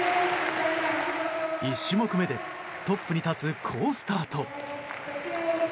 １種目めでトップに立つ好スタート。